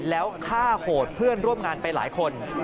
แล้วฆ่าโหดเพื่อนร่วมงานไปหลายคน